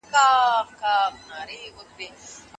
څوک د ښځو د تصرف مخه نیسي؟